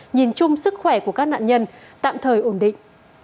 nhìn chung sức khỏe của các nạn nhân tạm thời ổn định